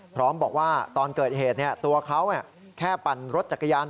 พร้อมบอกว่าตอนเกิดเหตุตัวเขาแค่ปั่นรถจักรยาน